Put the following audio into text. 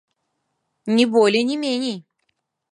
Ні болей ні меней!